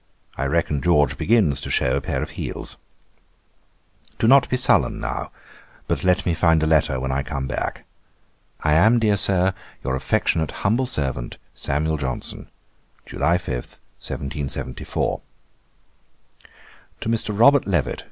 I reckon George begins to shew a pair of heels. 'Do not be sullen now, but let me find a letter when I come back. 'I am, dear Sir, 'Your affectionate, humble servant, 'SAM. JOHNSON.' 'July 5, 1774.' 'To MR. ROBERT LEVET.